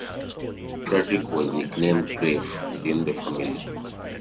Frederick was nicknamed "Griff" within the family.